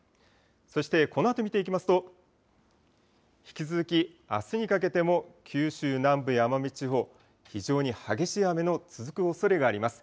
そしてこのあと見ていきますと、引き続き、あすにかけても九州南部や奄美地方、非常に激しい雨の続くおそれがあります。